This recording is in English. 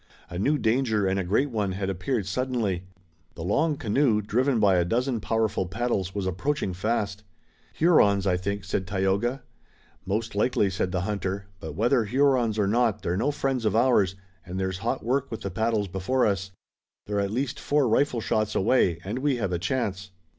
A new danger and a great one had appeared suddenly. The long canoe, driven by a dozen powerful paddles, was approaching fast. "Hurons, I think," said Tayoga. "Most likely," said the hunter, "but whether Hurons or not they're no friends of ours, and there's hot work with the paddles before us. They're at least four rifleshots away and we have a chance."